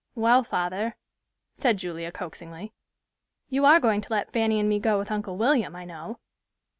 "Well, father," said Julia, coaxingly, "you are going to let Fanny and me go with Uncle William I know."